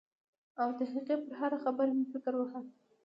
او د هغې پر هره خبره مې فکر واهه.